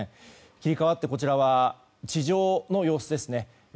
切り替わってこちらは地上の様子です。